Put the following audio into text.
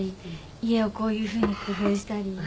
家をこういうふうに工夫したり。